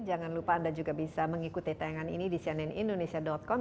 jangan lupa anda juga bisa mengikuti tayangan ini di cnnindonesia com